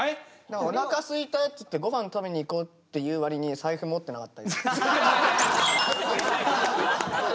「おなかすいた」っつって「御飯食べに行こう」っていうわりに財布持ってなかったりとか。